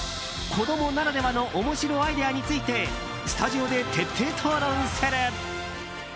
子供ならではの面白アイデアについてスタジオで徹底討論する。